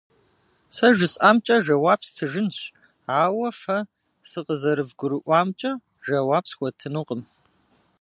Сэ жысӏамкӏэ жэуап стыжынщ, ауэ фэ сыкъызэрывгурыӏуамкӏэ жэуап схуэтынукъым.